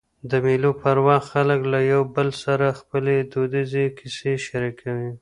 د مېلو پر وخت خلک له یو بل سره خپلي دودیزي کیسې شریکوي.